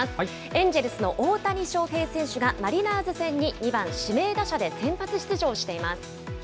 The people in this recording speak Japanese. エンジェルスの大谷翔平選手が、マリナーズ戦に２番指名打者で先発出場しています。